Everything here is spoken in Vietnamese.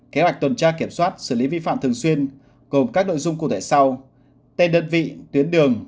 kế hoạch tuần tra kiểm soát xử lý vi phạm thường xuyên gồm các nội dung cụ thể sau tên đơn vị tuyến đường